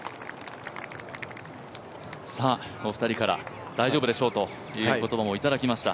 お二人から大丈夫でしょうという言葉もいただきました。